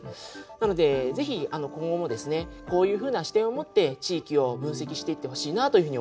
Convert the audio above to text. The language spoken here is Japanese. なのでぜひ今後もですねこういうふうな視点を持って地域を分析していってほしいなというふうに思います。